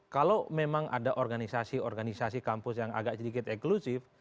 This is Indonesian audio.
kalau memang ada organisasi organisasi kampus yang agak sedikit eksklusif